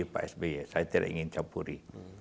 pak sby saya tidak ingin campuri